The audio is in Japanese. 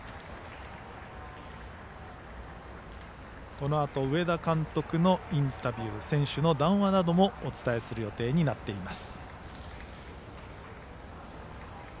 このあと上田監督のインタビュー選手の談話などもお伝えする予定になっています。